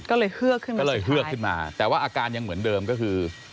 ก็เลยเฮือกขึ้นมาแต่ว่าอาการยังเหมือนเดิมก็คือ